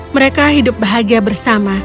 mereka hidup bahagia bersama